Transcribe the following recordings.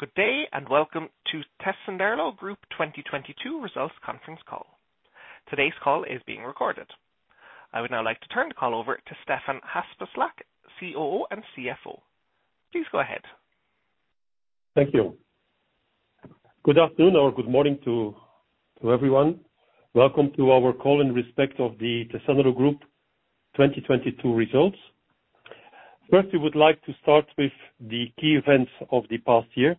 Good day, welcome to Tessenderlo Group 2022 results conference call. Today's call is being recorded. I would now like to turn the call over to Stefaan Haspeslagh, COO and CFO. Please go ahead. Thank you. Good afternoon or good morning to everyone. Welcome to our call in respect of the Tessenderlo Group 2022 results. First, we would like to start with the key events of the past year.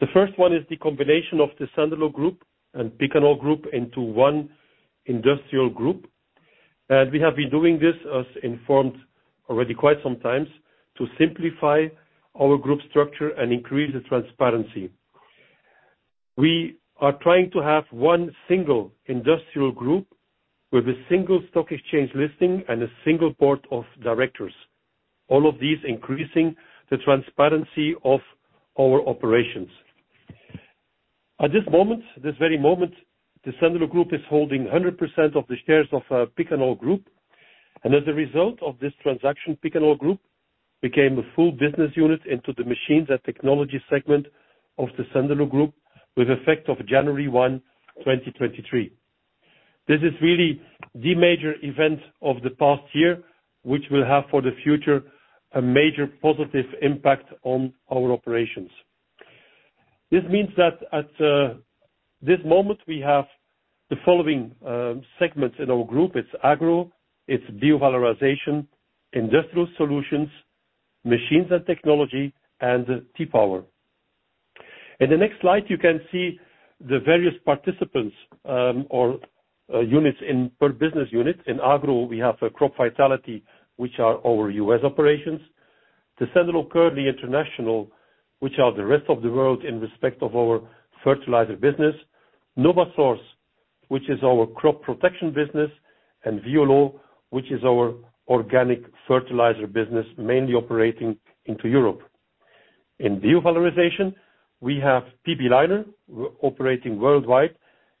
The first one is the combination of Tessenderlo Group and Picanol Group into one industrial group. We have been doing this as informed already quite some times to simplify our group structure and increase the transparency. We are trying to have one single industrial group with a single stock exchange listing and a single board of directors, all of these increasing the transparency of our operations. At this moment, this very moment, Tessenderlo Group is holding 100% of the shares of Picanol Group. As a result of this transaction, Picanol Group became a full business unit into the Machines & Technologies segment of Tessenderlo Group with effect of January 1, 2023. This is really the major event of the past year, which will have for the future a major positive impact on our operations. This means that at this moment we have the following segments in our group. It's Agro, Bio-valorization, Industrial Solutions, Machines & Technologies, and T-Power. In the next slide, you can see the various participants or units per business unit. In Agro, we have Crop Vitality, which are our U.S. operations. Tessenderlo Kerley International, which are the rest of the world in respect of our fertilizer business. NovaSource, which is our crop protection business, and Violleau, which is our organic fertilizer business, mainly operating into Europe. In Bio-valorization, we have PB Leiner operating worldwide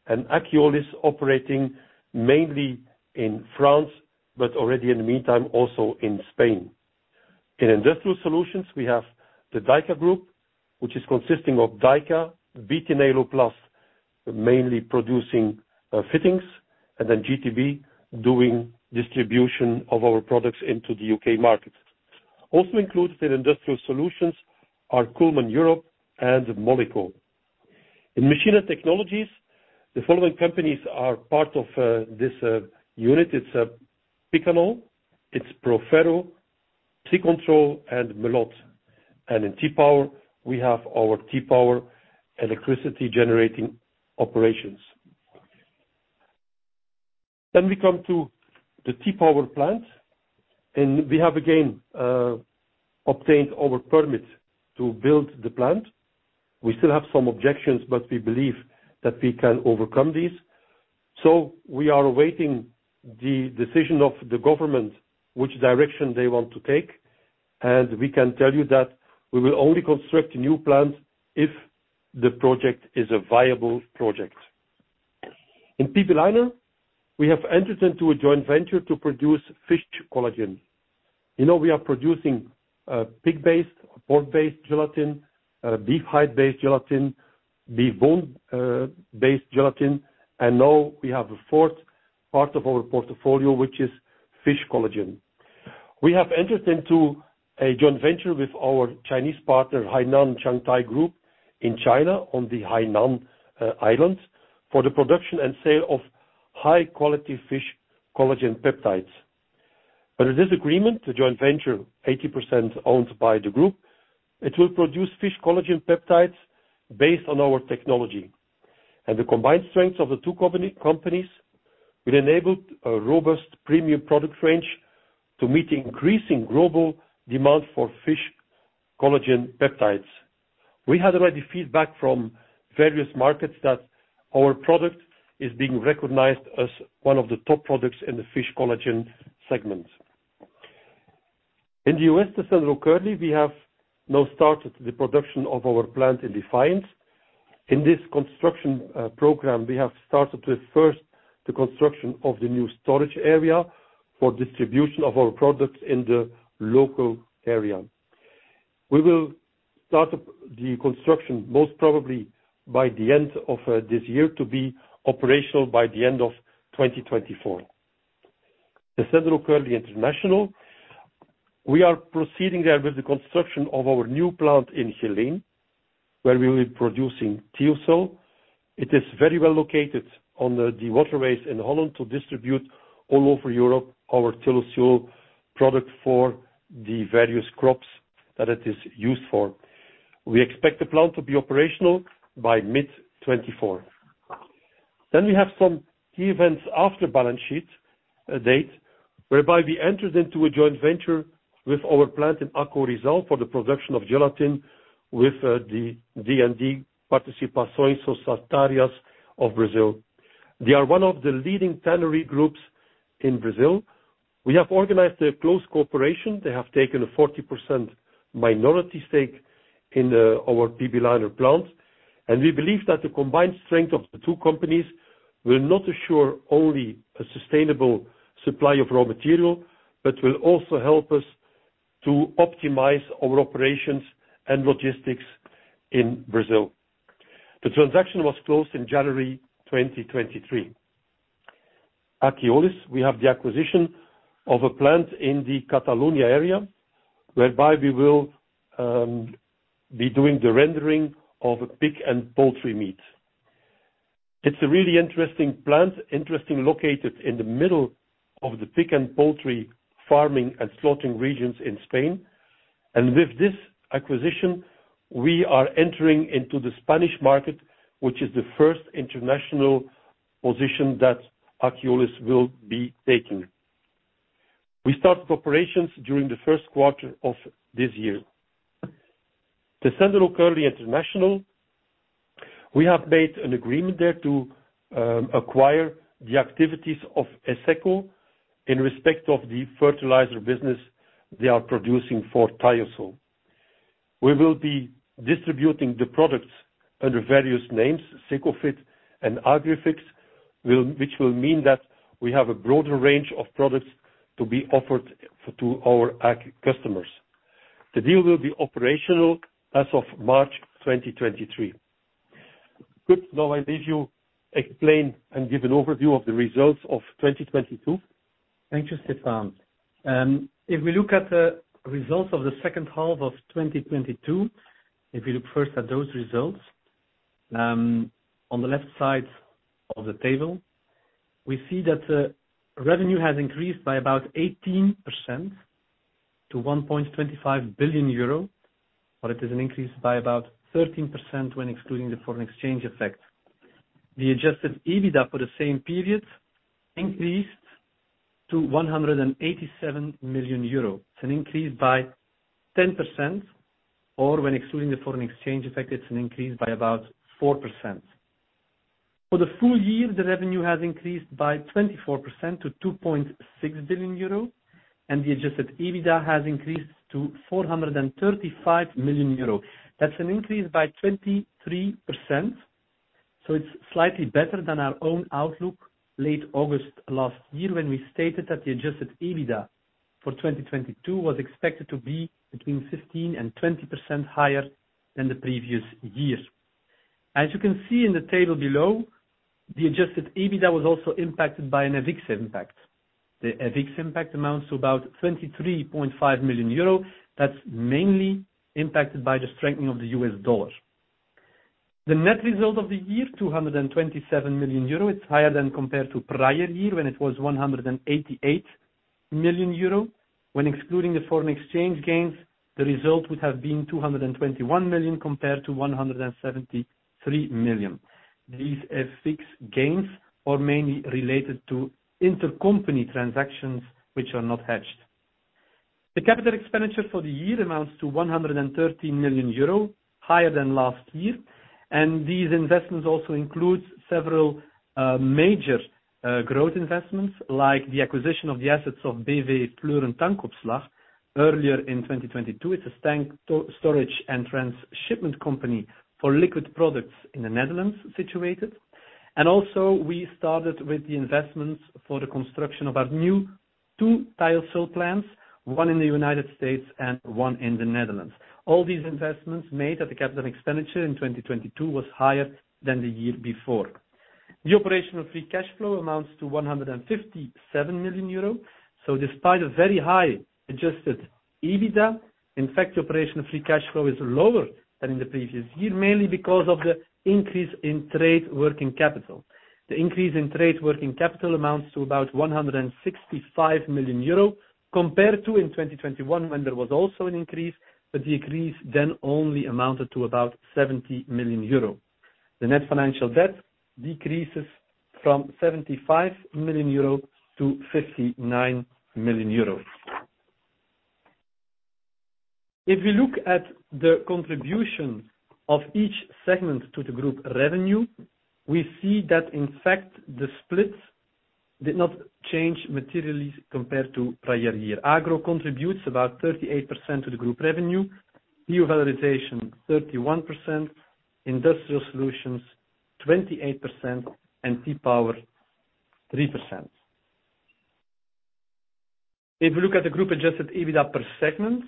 and Akiolis operating mainly in France, but already in the meantime, also in Spain. In Industrial Solutions, we have the DYKA Group, which is consisting of DYKA, BT Nyloplast, mainly producing fittings, and then GTB, doing distribution of our products into the U.K. market. Also included in Industrial Solutions are Kuhlmann Europe and Moleko. In Machines & Technologies, the following companies are part of this unit. It's Picanol, it's Proferro, Psicontrol, and Melotte. In T-Power, we have our T-Power electricity generating operations. We come to the T-Power plant, and we have again obtained our permit to build the plant. We still have some objections, but we believe that we can overcome these. We are awaiting the decision of the government, which direction they want to take, and we can tell you that we will only construct new plants if the project is a viable project. In PB Leiner, we have entered into a joint venture to produce fish collagen. You know, we are producing pig-based, pork-based gelatin, beef hide-based gelatin, beef bone based gelatin, and now we have a fourth part of our portfolio, which is fish collagen. We have entered into a joint venture with our Chinese partner, Hainan Xiangtai Group in China, on the Hainan Island, for the production and sale of high-quality fish collagen peptides. Under this agreement, the joint venture, 80% owned by the group, it will produce fish collagen peptides based on our technology. The combined strengths of the two companies will enable a robust premium product range to meet increasing global demand for fish collagen peptides. We had already feedback from various markets that our product is being recognized as one of the top products in the fish collagen segment. In the US, Tessenderlo Kerley, we have now started the production of our plant in Defiance. In this construction program, we have started with first the construction of the new storage area for distribution of our products in the local area. We will start up the construction most probably by the end of this year to be operational by the end of 2024. Tessenderlo Kerley International, we are proceeding there with the construction of our new plant in Geleen, where we will be producing Thio-Sul. It is very well located on the waterways in Holland to distribute all over Europe our Thio-Sul product for the various crops that it is used for. We expect the plant to be operational by mid-2024. We have some key events after balance sheet date, whereby we entered into a joint venture with our plant in Acorizal for the production of gelatin with the D&D Participações Societárias of Brazil. They are one of the leading tannery groups in Brazil. We have organized a close cooperation. They have taken a 40% minority stake in our PB Leiner plant. We believe that the combined strength of the two companies will not assure only a sustainable supply of raw material, but will also help us to optimize our operations and logistics in Brazil. The transaction was closed in January 2023. Akiolis, we have the acquisition of a plant in the Catalonia area, whereby we will be doing the rendering of pig and poultry meat. It's a really interesting plant, interesting located in the middle of the pig and poultry farming and slaughtering regions in Spain. With this acquisition, we are entering into the Spanish market, which is the first international position that Akiolis will be taking. We start operations during the Q1 of this year. Tessenderlo Kerley International, we have made an agreement there to acquire the activities of Esseco in respect of the fertilizer business they are producing for Thio-Sul. We will be distributing the products under various names, Secofit and Agrifix, which will mean that we have a broader range of products to be offered to our ag customers. The deal will be operational as of March 2023. Kurt Van Eetvelt, if you explain and give an overview of the results of 2022. Thank you, Stefaan. If we look at the results of the H2 of 2022, if you look first at those results, on the left side of the table, we see that the revenue has increased by about 18% to 1.25 billion euro, It is an increase by about 13% when excluding the foreign exchange effect. The Adjusted EBITDA for the same period increased to 187 million euros. It's an increase by 10%, or when excluding the foreign exchange effect, it's an increase by about 4%. For the full year, the revenue has increased by 24% to 2.6 billion euro, and the Adjusted EBITDA has increased to 435 million euro. That's an increase by 23%. It's slightly better than our own outlook late August last year when we stated that the Adjusted EBITDA for 2022 was expected to be between 15%-20% higher than the previous year. You can see in the table below, the Adjusted EBITDA was also impacted by an FX impact. The FX impact amounts to about 23.5 million euro. That's mainly impacted by the strengthening of the US dollar. The net result of the year, 227 million euro. It's higher than compared to prior year when it was 188 million euro. When excluding the foreign exchange gains, the result would have been 221 million compared to 173 million. These FX gains are mainly related to intercompany transactions which are not hedged. The capital expenditure for the year amounts to 113 million euro, higher than last year. These investments also includes several major growth investments like the acquisition of the assets of B.V. Fleuren Tankopslag earlier in 2022. It's a tank storage and transshipment company for liquid products in the Netherlands situated. Also, we started with the investments for the construction of our new Thio-Sul plants, one in the United States and one in the Netherlands. All these investments made at the capital expenditure in 2022 was higher than the year before. The operational free cash flow amounts to 157 million euro. Despite a very high Adjusted EBITDA, in fact, operational free cash flow is lower than in the previous year, mainly because of the increase in trade working capital. The increase in trade working capital amounts to about 165 million euro compared to in 2021 when there was also an increase, but the increase then only amounted to about 70 million euro. The net financial debt decreases from 75 million euro to 59 million euro. If you look at the contribution of each segment to the group revenue, we see that in fact, the split did not change materially compared to prior year. Agro contributes about 38% to the group revenue, Bio-valorization 31%, Industrial Solutions 28%, and T-Power 3%. If you look at the group Adjusted EBITDA per segment,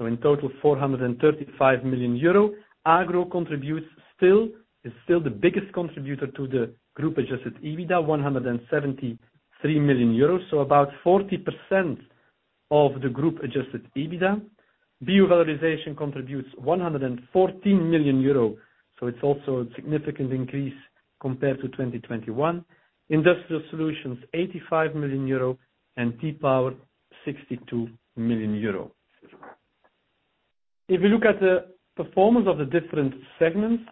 so in total 435 million euro, Agro is still the biggest contributor to the group Adjusted EBITDA, 173 million euros, so about 40% of the group Adjusted EBITDA. Bio-valorization contributes 114 million euro, so it's also a significant increase compared to 2021. Industrial Solutions, 85 million euro, and T-Power, 62 million euro. If you look at the performance of the different segments,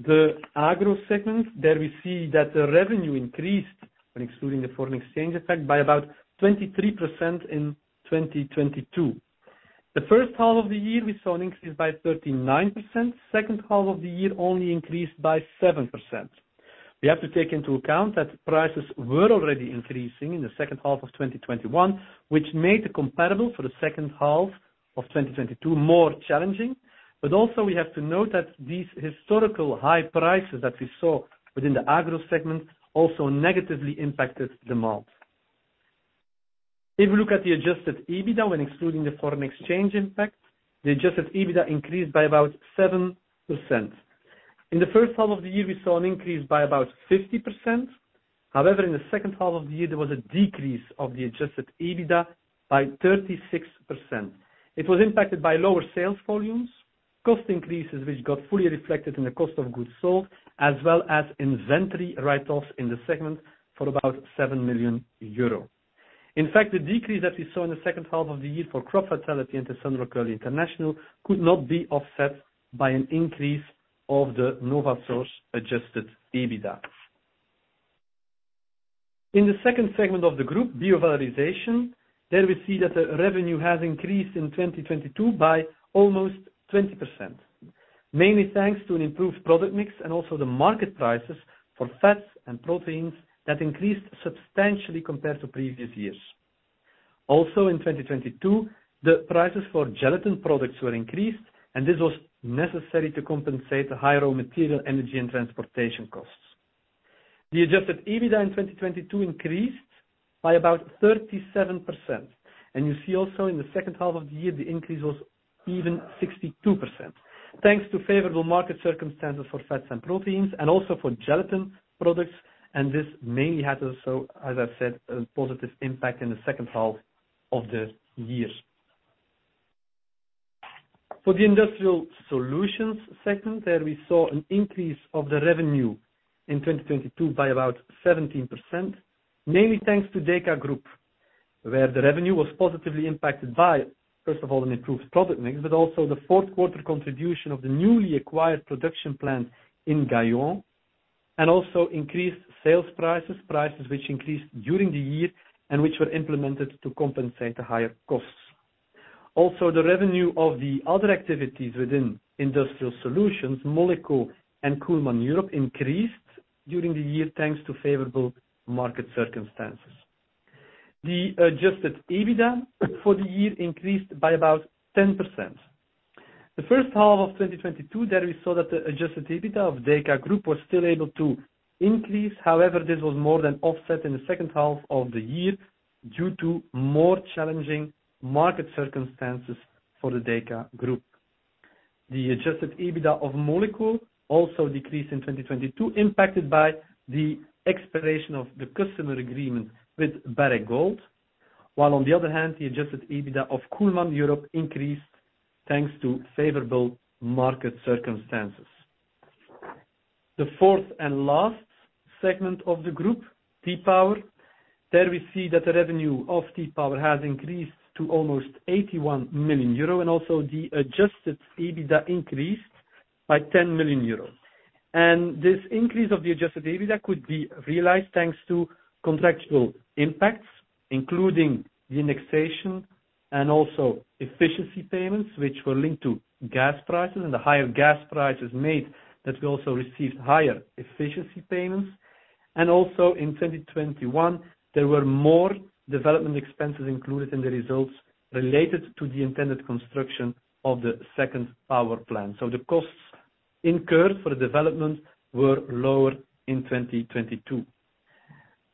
the Agro segment, there we see that the revenue increased when excluding the foreign exchange effect by about 23% in 2022. The H1 of the year, we saw an increase by 39%. H2 of the year only increased by 7%. We have to take into account that prices were already increasing in the H2 of 2021, which made it comparable for the H2 of 2022 more challenging. Also we have to note that these historical high prices that we saw within the Agro segment also negatively impacted demand. If you look at the Adjusted EBITDA when excluding the foreign exchange impact, the Adjusted EBITDA increased by about 7%. In the H1 of the year, we saw an increase by about 50%. In the H2 of the year, there was a decrease of the Adjusted EBITDA by 36%. It was impacted by lower sales volumes, cost increases, which got fully reflected in the cost of goods sold, as well as inventory write-offs in the segment for about 7 million euro. The decrease that we saw in the H2 of the year for Crop Vitality into Tessenderlo Kerley International could not be offset by an increase of the NovaSource Adjusted EBITDA. In the second segment of the group, Bio-valorization, there we see that the revenue has increased in 2022 by almost 20%, mainly thanks to an improved product mix and also the market prices for fats and proteins that increased substantially compared to previous years. In 2022, the prices for gelatin products were increased, and this was necessary to compensate the higher raw material, energy, and transportation costs. The Adjusted EBITDA in 2022 increased by about 37%. You see also in the H2 of the year, the increase was even 62%, thanks to favorable market circumstances for fats and proteins and also for gelatin products. This mainly had also, as I said, a positive impact in the H2 of the year. For the Industrial Solutions segment, there we saw an increase of the revenue in 2022 by about 17%, mainly thanks to DYKA Group, where the revenue was positively impacted by, first of all, an improved product mix, but also the Q4 contribution of the newly acquired production plant in Gaillon, and also increased sales prices which increased during the year and which were implemented to compensate the higher costs. Also, the revenue of the other activities within Industrial Solutions, Moleko and Kuhlmann Europe, increased during the year, thanks to favorable market circumstances. The Adjusted EBITDA for the year increased by about 10%. The H1 of 2022, there we saw that the Adjusted EBITDA of DYKA Group was still able to increase. This was more than offset in the H2 of the year due to more challenging market circumstances for the DYKA Group. The Adjusted EBITDA of Moleko also decreased in 2022, impacted by the expiration of the customer agreement with Barrick Gold, while on the other hand, the Adjusted EBITDA of Kuhlmann Europe increased thanks to favorable market circumstances. The fourth and last segment of the group, T-Power. There we see that the revenue of T-Power has increased to almost 81 million euro, also the Adjusted EBITDA increased by 10 million euro. This increase of the Adjusted EBITDA could be realized thanks to contractual impacts, including the indexation and also efficiency payments, which were linked to gas prices. The higher gas prices made that we also received higher efficiency payments. Also in 2021, there were more development expenses included in the results related to the intended construction of the second power plant. The costs incurred for the development were lower in 2022.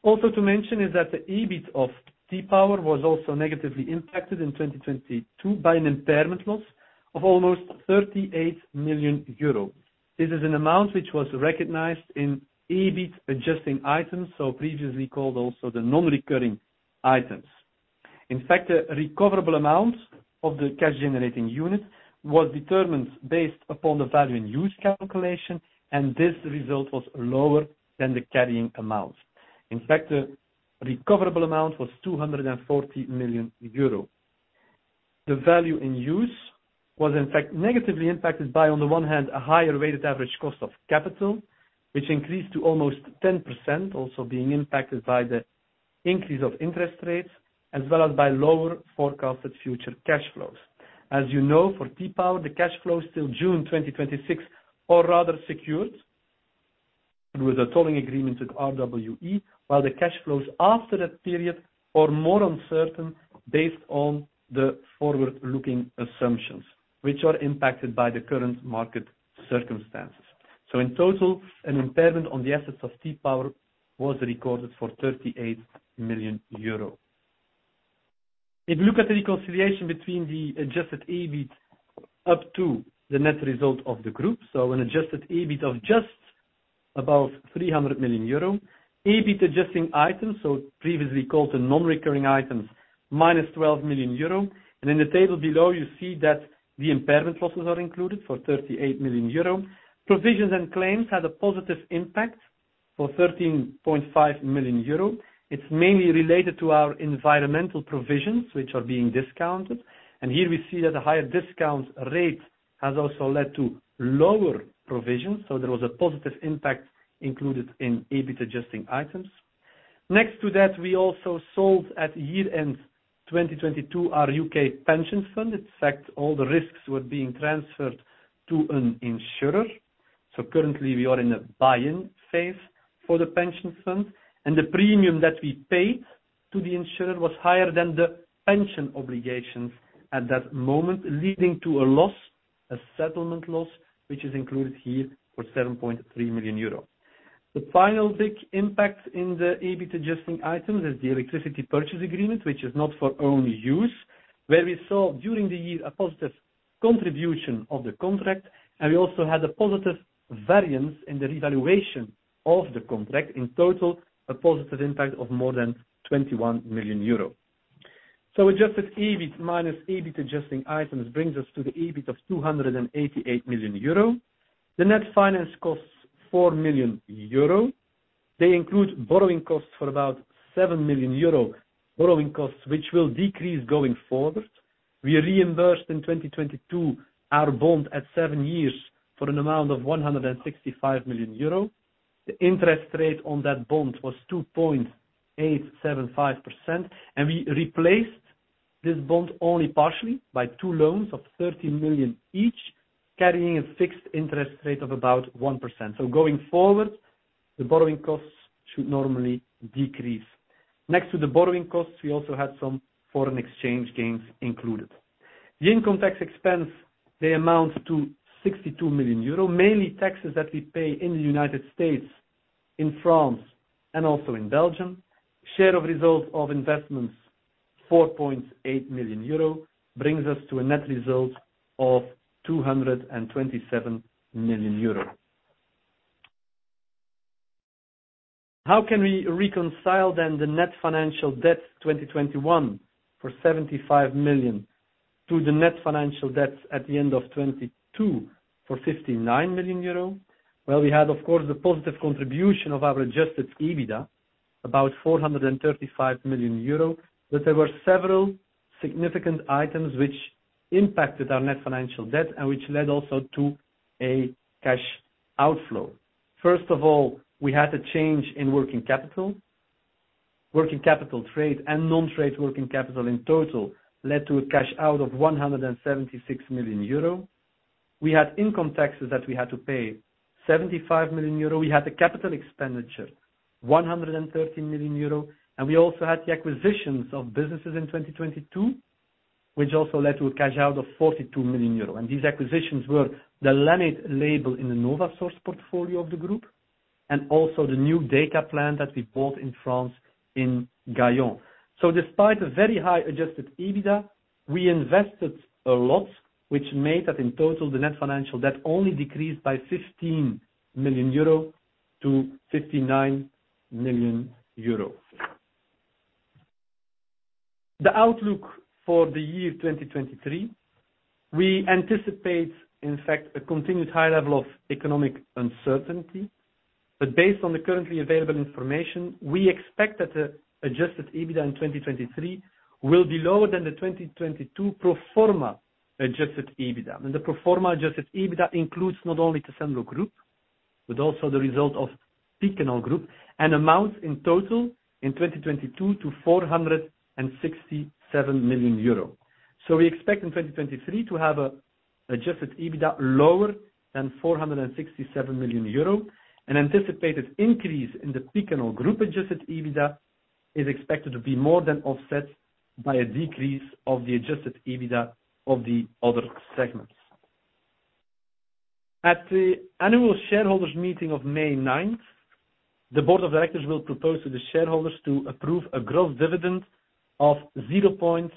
Also to mention is that the EBIT of T-Power was also negatively impacted in 2022 by an impairment loss of almost 38 million euros. This is an amount which was recognized in EBIT adjusting items, previously called also the non-recurring items. A recoverable amount of the cash generating unit was determined based upon the value in use calculation, this result was lower than the carrying amount. A recoverable amount was 240 million euro. The value in use was in fact negatively impacted by, on the one hand, a higher weighted average cost of capital, which increased to almost 10%, also being impacted by the increase of interest rates as well as by lower forecasted future cash flows. As you know, for T-Power, the cash flows till June 2026 are rather secured with a tolling agreement with RWE, while the cash flows after that period are more uncertain based on the forward-looking assumptions, which are impacted by the current market circumstances. In total, an impairment on the assets of T-Power was recorded for 38 million euro. If you look at the reconciliation between the Adjusted EBIT up to the net result of the group. An Adjusted EBIT of just above 300 million euro. EBIT adjusting items, previously called the non-recurring items, minus 12 million euro. In the table below, you see that the impairment losses are included for 38 million euro. Provisions and claims had a positive impact for 13.5 million euro. It's mainly related to our environmental provisions, which are being discounted. Here we see that the higher discount rate has also led to lower provisions. There was a positive impact included in EBIT adjusting items. Next to that, we also sold at year-end 2022 our U.K. pensions fund. In fact, all the risks were being transferred to an insurer. Currently we are in a buy-in phase for the pension fund, and the premium that we paid to the insurer was higher than the pension obligations at that moment, leading to a loss, a settlement loss, which is included here for 7.3 million euro. The final big impact in the EBIT adjusting items is the electricity purchase agreement, which is not for own use, where we saw during the year a positive contribution of the contract, and we also had a positive variance in the revaluation of the contract. In total, a positive impact of more than 21 million euro. Adjusted EBIT minus EBIT adjusting items brings us to the EBIT of 288 million euro. The net finance costs 4 million euro. They include borrowing costs for about 7 million euro. Borrowing costs which will decrease going forward. We reimbursed in 2022 our bond at seven years for an amount of 165 million euro. The interest rate on that bond was 2.875%. We replaced this bond only partially by two loans of 30 million each, carrying a fixed interest rate of about 1%. Going forward, the borrowing costs should normally decrease. Next to the borrowing costs, we also had some foreign exchange gains included. The income tax expense, they amount to 62 million euros, mainly taxes that we pay in the United States, in France, and also in Belgium. Share of results of investments, 4.8 million euro, brings us to a net result of 227 million euro. How can we reconcile the net financial debt 2021 for 75 million to the net financial debt at the end of 2022 for 59 million euro? We had of course the positive contribution of our Adjusted EBITDA, about 435 million euro. There were several significant items which impacted our net financial debt and which led also to a cash outflow. First of all, we had a change in working capital. Working capital trade and non-trade working capital in total led to a cash out of 176 million euro. We had income taxes that we had to pay, 75 million euro. We had the capital expenditure, 113 million euro. We also had the acquisitions of businesses in 2022, which also led to a cash out of 42 million euro. These acquisitions were the Lannate label in the NovaSource portfolio of the group, and also the new DYKA plant that we bought in France in Gaillon. Despite a very high Adjusted EBITDA, we invested a lot, which made that in total, the net financial debt only decreased by 15 million euro to 59 million euro. The outlook for the year 2023, we anticipate, in fact, a continued high level of economic uncertainty. Based on the currently available information, we expect that the Adjusted EBITDA in 2023 will be lower than the 2022 pro forma Adjusted EBITDA. The pro forma Adjusted EBITDA includes not only Tessenderlo Group, but also the result of Picanol Group, and amounts in total in 2022 to 467 million euro. We expect in 2023 to have a Adjusted EBITDA lower than 467 million euro. An anticipated increase in the Picanol Group Adjusted EBITDA is expected to be more than offset by a decrease of the Adjusted EBITDA of the other segments. At the annual shareholders meeting of May 9th, the board of directors will propose to the shareholders to approve a growth dividend of 0.75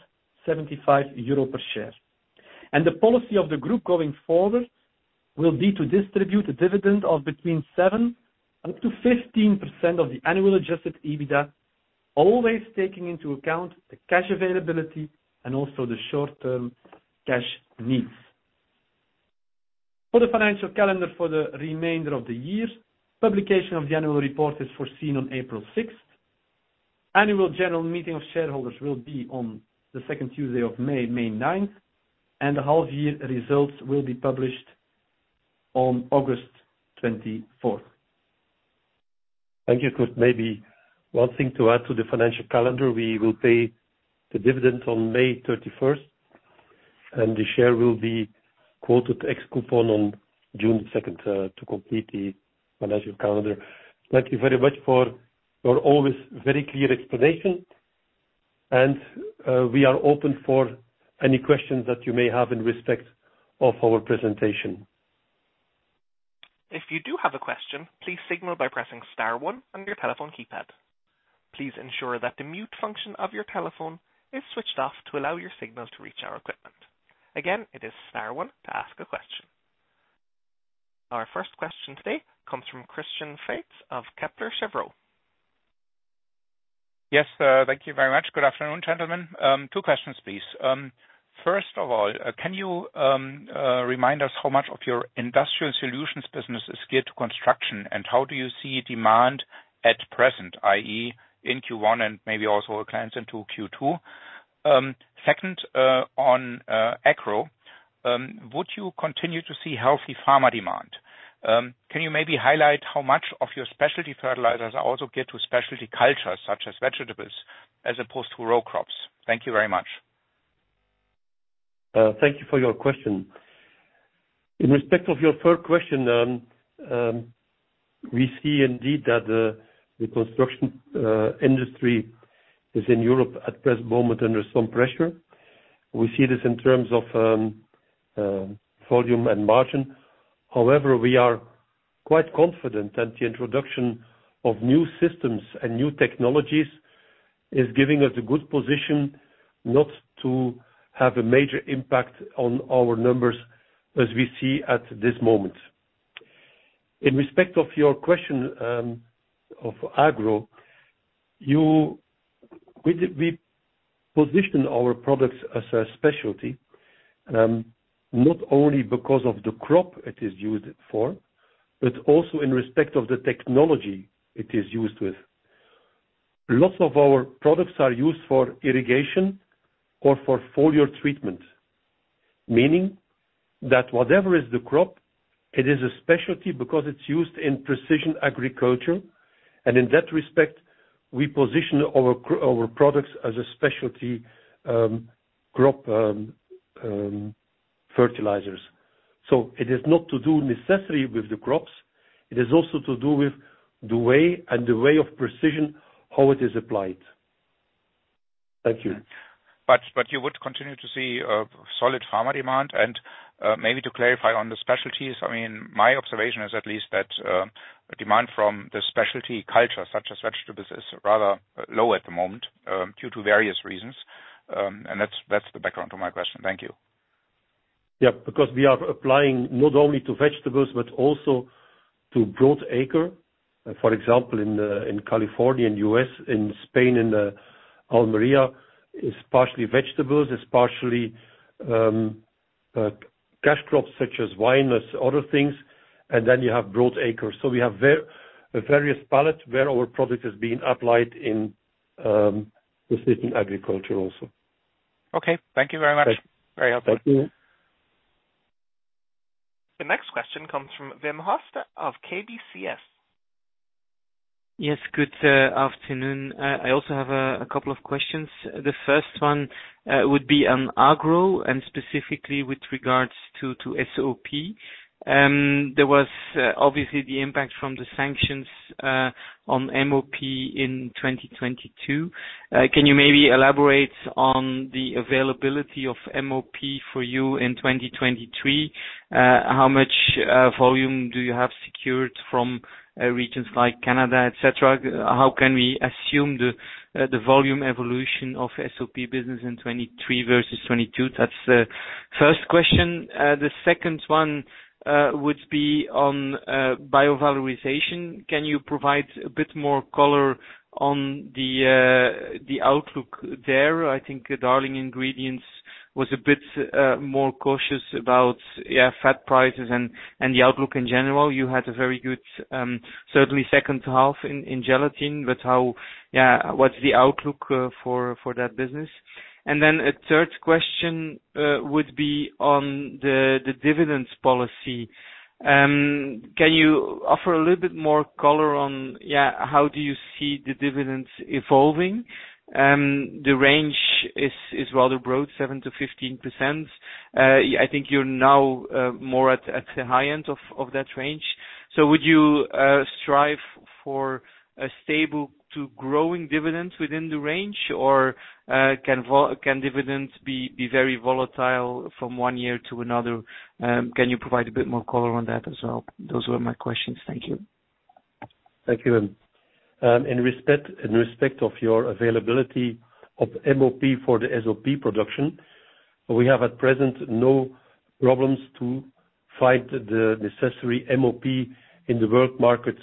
euro per share. The policy of the group going forward will be to distribute a dividend of between 7% and 15% of the annual Adjusted EBITDA, always taking into account the cash availability and also the short-term cash needs. For the financial calendar for the remainder of the year, publication of the annual report is foreseen on April 6th. Annual general meeting of shareholders will be on the second Tuesday of May 9th. The half year results will be published on August 24th. Thank you, Koen. Maybe one thing to add to the financial calendar, we will pay the dividend on May 31st, and the share will be quoted ex-coupon on June 2nd, to complete the financial calendar. Thank you very much for your always very clear explanation. We are open for any questions that you may have in respect of our presentation. If you do have a question, please signal by pressing star one on your telephone keypad. Please ensure that the mute function of your telephone is switched off to allow your signal to reach our equipment. Again, it is star one to ask a question. Our first question today comes from Christian Faitz of Kepler Cheuvreux. Yes, thank you very much. Good afternoon, gentlemen. Two questions, please. First of all, can you remind us how much of your Industrial Solutions business is geared to construction, and how do you see demand at present, i.e., in Q1 and maybe also a glance into Q2? Second, on Agro, would you continue to see healthy pharma demand? Can you maybe highlight how much of your specialty fertilizers also get to specialty cultures such as vegetables as opposed to raw crops? Thank you very much. Thank you for your question. In respect of your third question, we see indeed that the construction industry is in Europe at this moment under some pressure. We see this in terms of volume and margin. We are quite confident that the introduction of new systems and new technologies is giving us a good position not to have a major impact on our numbers as we see at this moment. In respect of your question, of Agro, we position our products as a specialty, not only because of the crop it is used for, but also in respect of the technology it is used with. Lots of our products are used for irrigation or for foliar treatment. Meaning that whatever is the crop, it is a specialty because it's used in precision agriculture. In that respect, we position our products as a specialty crop fertilizers. It is not to do necessarily with the crops. It is also to do with the way and the way of precision, how it is applied. Thank you. You would continue to see solid farmer demand and maybe to clarify on the specialties. I mean, my observation is at least that demand from the specialty culture, such as vegetables, is rather low at the moment, due to various reasons. That's the background to my question. Thank you. Yeah. We are applying not only to vegetables but also to broad acre. For example, in California, in U.S., in Spain in Almeria, it's partially vegetables, it's partially cash crops such as wine and other things. You have broad acres. We have various pallet where our product is being applied in precision agriculture also. Okay. Thank you very much. Thank you. Very helpful. Thank you. The next question comes from Wim Hoste of KBCS. Yes, good afternoon. I also have a couple of questions. The first one would be on Agro and specifically with regards to SOP. There was obviously the impact from the sanctions on MOP in 2022. Can you maybe elaborate on the availability of MOP for you in 2023? How much volume do you have secured from regions like Canada, et cetera? How can we assume the volume evolution of SOP business in 2023 versus 2022? That's the first question. The second one would be on bio-valorization. Can you provide a bit more color on the outlook there? I think Darling Ingredients was a bit more cautious about fat prices and the outlook in general. You had a very good, certainly H2 in gelatin. What's the outlook for that business? A third question would be on the dividends policy. Can you offer a little bit more color on how do you see the dividends evolving? The range is rather broad, 7%-15%. I think you're now more at the high end of that range. Would you strive for a stable to growing dividends within the range? Can dividends be very volatile from one year to another? Can you provide a bit more color on that as well? Those were my questions. Thank you. Thank you, Wim. In respect of your availability of MOP for the SOP production, we have at present no problems to find the necessary MOP in the world market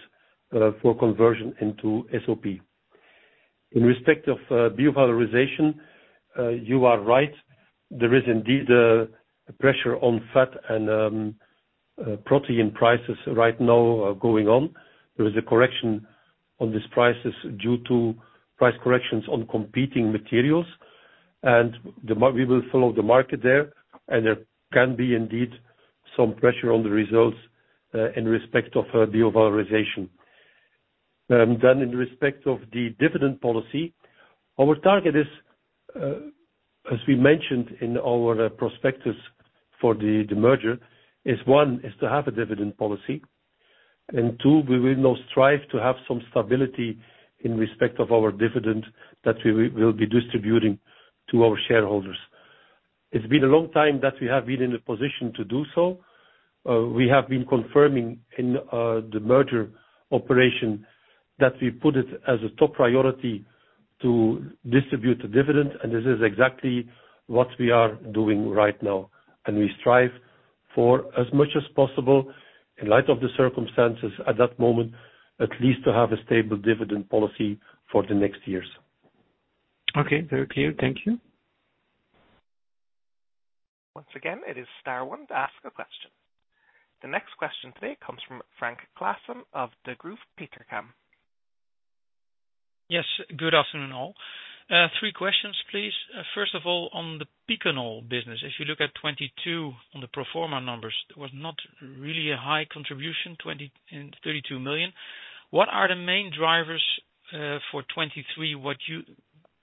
for conversion into SOP. In respect of bio-valorization, you are right. There is indeed a pressure on fat and protein prices right now are going on. There is a correction on these prices due to price corrections on competing materials. We will follow the market there, and there can be indeed some pressure on the results in respect of Bio-valorization. In respect of the dividend policy, our target is as we mentioned in our prospectus for the merger, is to have a dividend policy. Two, we will now strive to have some stability in respect of our dividend that we'll be distributing to our shareholders. It's been a long time that we have been in a position to do so. We have been confirming in the merger operation that we put it as a top priority to distribute the dividend. This is exactly what we are doing right now. We strive for as much as possible in light of the circumstances at that moment, at least to have a stable dividend policy for the next years. Okay. Very clear. Thank you. Once again, it is star one to ask a question. The next question today comes from Frank Classen of Degroof Petercam. Good afternoon all. Three questions please. First of all, on the Picanol business, if you look at 2022 on the pro forma numbers, it was not really a high contribution, 20 million and 32 million. What are the main drivers for 2023?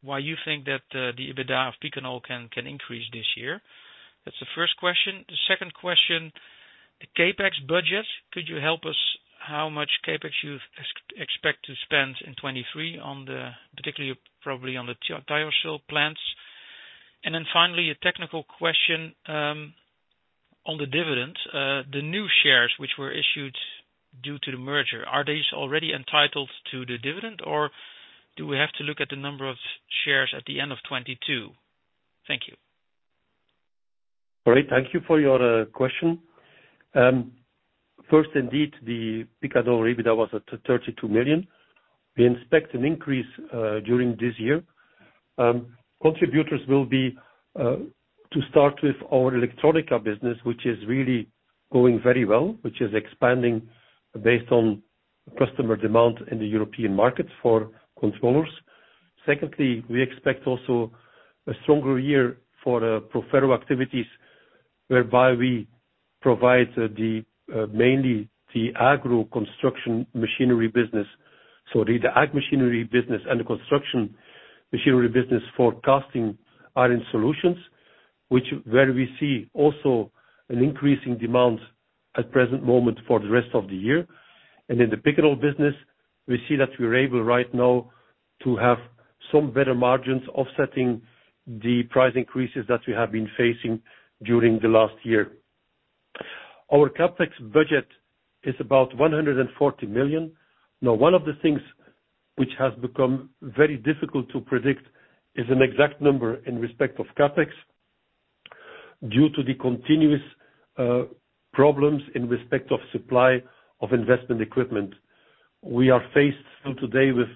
Why you think that the EBITDA of Picanol can increase this year? That's the first question. The second question, CapEx budget. Could you help us how much CapEx you expect to spend in 2023 on the particularly probably on the digital plants? Finally, a technical question on the dividend, the new shares which were issued due to the merger. Are these already entitled to the dividend or do we have to look at the number of shares at the end of 2022? Thank you. All right. Thank you for your question. First, indeed, the Picanol EBITDA was at 32 million. We expect an increase during this year. Contributors will be to start with our Electronica business, which is really going very well, which is expanding based on customer demand in the European markets for controllers. Secondly, we expect also a stronger year for Proferro activities, whereby we provide mainly the agro construction machinery business. The Agro machinery business and the construction machinery business for casting iron solutions, which is where we see also an increasing demand at present moment for the rest of the year. In the Picanol business, we see that we are able right now to have some better margins offsetting the price increases that we have been facing during the last year. Our CapEx budget is about 140 million. One of the things which has become very difficult to predict is an exact number in respect of CapEx due to the continuous problems in respect of supply of investment equipment. We are faced still today with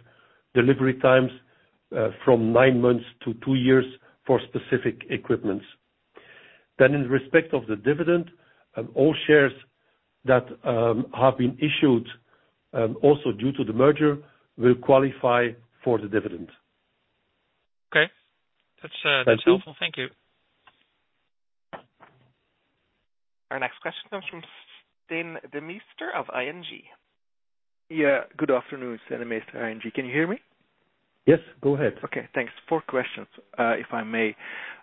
delivery times from nine months to two years for specific equipment. In respect of the dividend, all shares that have been issued also due to the merger will qualify for the dividend. Okay. That's. Thank you. That's helpful. Thank you. Our next question comes from Stijn Demeester of ING. Yeah. Good afternoon. Stijn De Meester, ING. Can you hear me? Yes, go ahead. Okay, thanks. Four questions, if I may.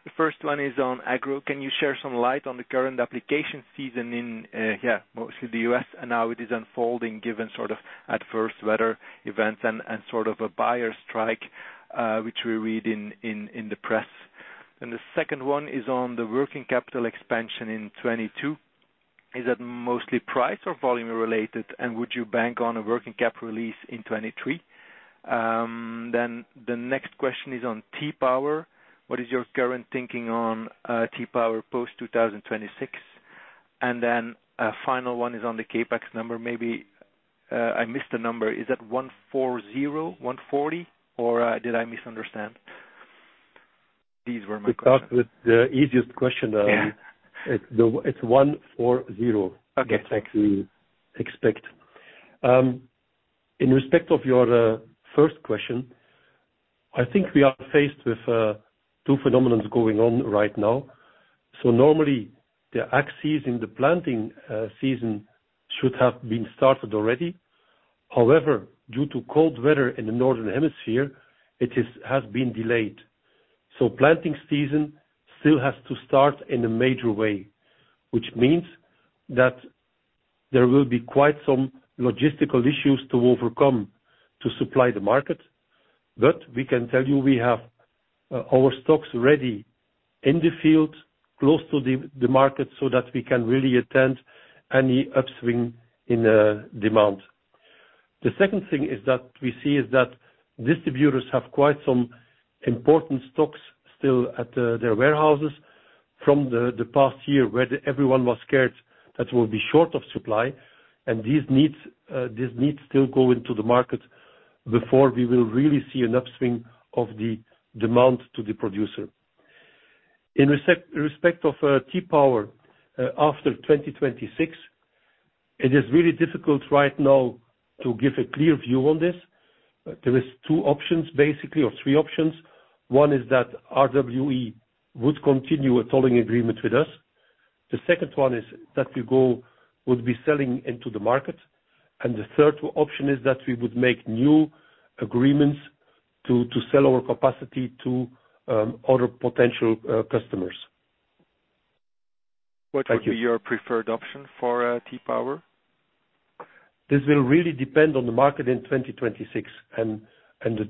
The first one is on Agro. Can you share some light on the current application season in, yeah, mostly the U.S. and how it is unfolding given sort of adverse weather events and sort of a buyer strike, which we read in, in the press? The second one is on the working capital expansion in 2022. Is that mostly price or volume related, and would you bank on a working capital release in 2023? The next question is on T-Power. What is your current thinking on T-Power post 2026? A final one is on the CapEx number. Maybe, I missed the number. Is that 140, or did I misunderstand? These were my questions. To start with the easiest question. Yeah. It's 140. Okay. That's what we expect. In respect of your first question, I think we are faced with two phenomenons going on right now. Normally, the axes in the planting season should have been started already. However, due to cold weather in the northern hemisphere, it has been delayed. Planting season still has to start in a major way, which means that there will be quite some logistical issues to overcome to supply the market. We can tell you we have our stocks ready in the field close to the market so that we can really attend any upswing in the demand. The second thing is that we see is that distributors have quite some important stocks still at their warehouses from the past year where everyone was scared that we'll be short of supply. These needs still go into the market before we will really see an upswing of the demand to the producer. In respect of T-Power, after 2026, it is really difficult right now to give a clear view on this. There is two options, basically, or three options. One is that RWE would continue a tolling agreement with us. The second one is that we would be selling into the market. The third option is that we would make new agreements to sell our capacity to other potential customers. Thank you. What would be your preferred option for T-Power? This will really depend on the market in 2026 and the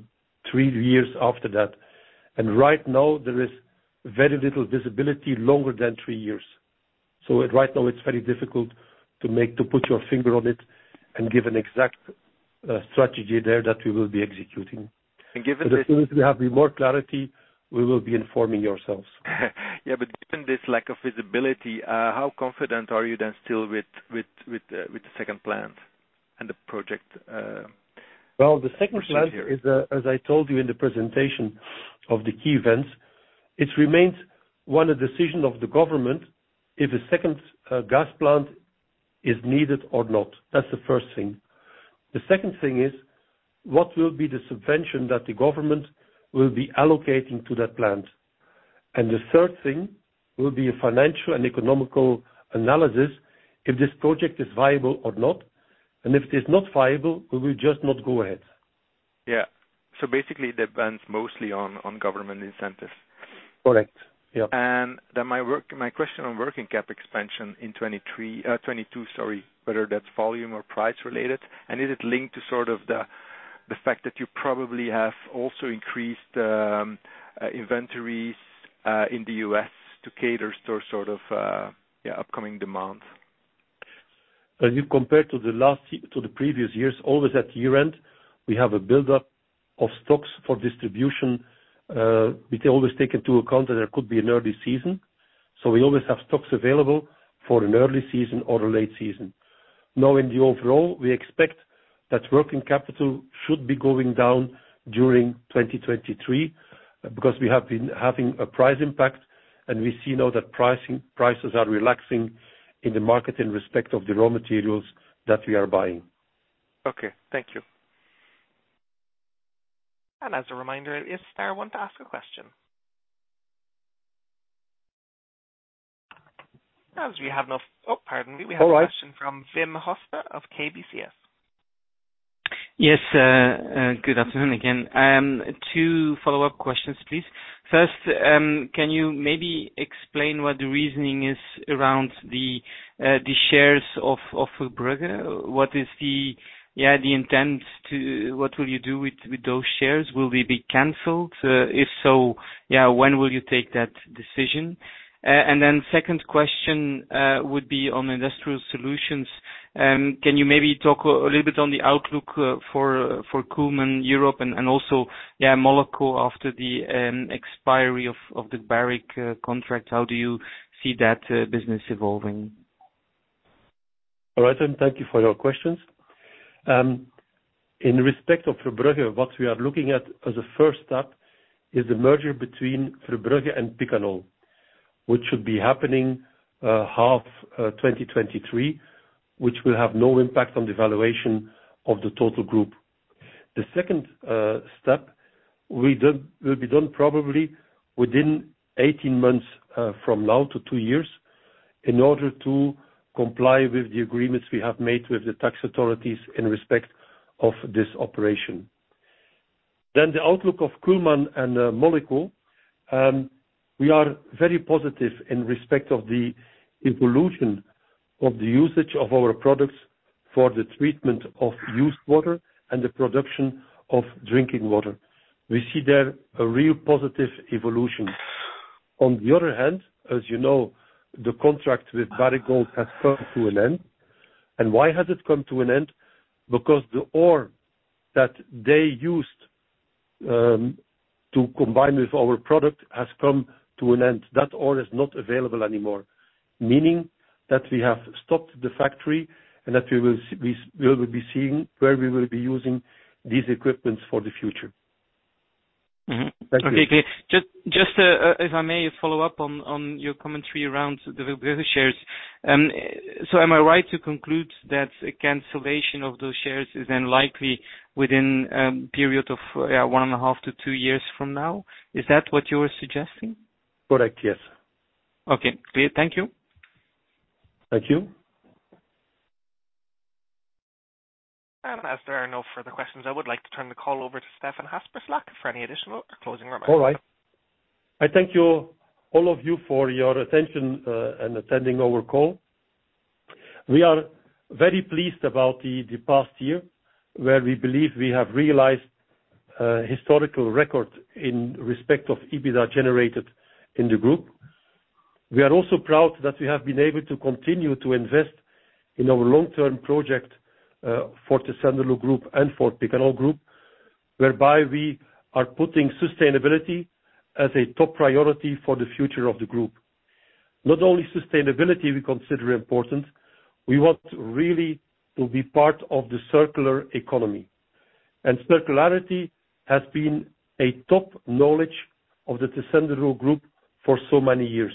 three years after that. Right now there is very little visibility longer than three years. Right now it's very difficult to put your finger on it and give an exact strategy there that we will be executing. And given this. As soon as we have more clarity, we will be informing yourselves. Given this lack of visibility, how confident are you then still with the second plant and the project this year? Well, the second plant is, as I told you in the presentation of the key events, it remains one of the decision of the government if a second gas plant is needed or not. That's the first thing. The second thing is, what will be the subvention that the government will be allocating to that plant? The third thing will be a financial and economical analysis if this project is viable or not. If it is not viable, we will just not go ahead. Yeah. Basically, it depends mostly on government incentives. Correct. Yeah. My question on working cap expansion in 23, 22, sorry, whether that's volume or price related, and is it linked to sort of the fact that you probably have also increased inventories in the U.S. to cater to sort of upcoming demand? When you compare to the previous years, always at year-end, we have a buildup of stocks for distribution. We can always take into account that there could be an early season. We always have stocks available for an early season or a late season. In the overall, we expect that working capital should be going down during 2023 because we have been having a price impact, and we see now that prices are relaxing in the market in respect of the raw materials that we are buying. Okay, thank you. As a reminder press star one to ask a question. We have no. Oh, pardon me. All right. We have a question from Wim Hoste of KBCS. Yes, good afternoon again. Two follow-up questions, please. First, can you maybe explain what the reasoning is around the shares of Verbrugge? What will you do with those shares? Will they be canceled? If so, yeah, when will you take that decision? Second question would be on Industrial Solutions. Can you maybe talk a little bit on the outlook for Kuhlmann Europe and also, yeah, Moleko after the expiry of the Barrick contract? How do you see that business evolving? All right then. Thank you for your questions. In respect of Verbrugge, what we are looking at as a first step is the merger between Verbrugge and Picanol, which should be happening, half, 2023, which will have no impact on the valuation of the total group. The second step will be done probably within 18 months from now to two years in order to comply with the agreements we have made with the tax authorities in respect of this operation. The outlook of Kuhlmann and Moleko, we are very positive in respect of the evolution of the usage of our products for the treatment of used water and the production of drinking water. We see there a real positive evolution. On the other hand, as you know, the contract with Barrick Gold has come to an end. Why has it come to an end? Because the ore that they used to combine with our product has come to an end. That ore is not available anymore, meaning that we have stopped the factory and that we will be seeing where we will be using these equipments for the future. Mm-hmm. Thank you. Okay, great. Just if I may follow up on your commentary around the Verbrugge shares. Am I right to conclude that a cancellation of those shares is then likely within period of 1.5 to two years from now? Is that what you're suggesting? Correct, yes. Okay, clear. Thank you. Thank you. As there are no further questions, I would like to turn the call over to Stefaan Haspeslagh for any additional or closing remarks. All right. I thank you all of you for your attention, and attending our call. We are very pleased about the past year, where we believe we have realized historical record in respect of EBITDA generated in the group. We are also proud that we have been able to continue to invest in our long-term project for Tessenderlo Group and for Picanol Group, whereby we are putting sustainability as a top priority for the future of the group. Not only sustainability we consider important, we want really to be part of the circular economy. Circularity has been a top knowledge of the Tessenderlo Group for so many years.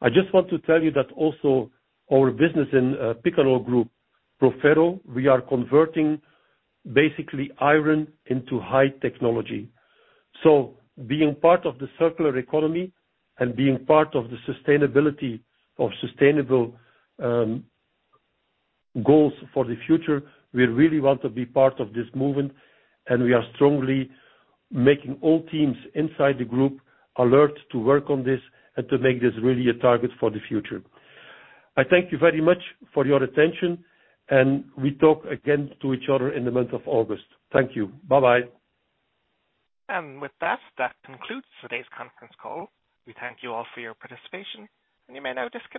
I just want to tell you that also our business in Picanol Group, Proferro, we are converting basically iron into high technology. Being part of the circular economy and being part of the sustainability of sustainable goals for the future, we really want to be part of this movement, and we are strongly making all teams inside the group alert to work on this and to make this really a target for the future. I thank you very much for your attention, and we talk again to each other in the month of August. Thank you. Bye-bye. With that concludes today's conference call. We thank you all for your participation. You may now disconnect.